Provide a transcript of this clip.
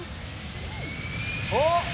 あっ！